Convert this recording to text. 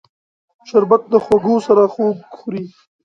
شربت د خوږو سره خوږ خوري